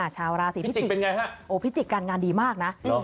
ชาวราศีพิจิกเป็นไงฮะโอ้พิจิกการงานดีมากนะหรอ